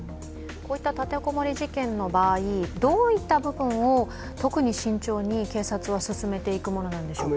こういった立て籠もり事件の場合どういった部分を特に慎重に警察は進めていくものなんでしょうか？